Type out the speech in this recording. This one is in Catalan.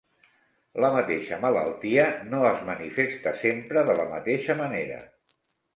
La mateixa malaltia no es manifesta sempre de la mateixa manera.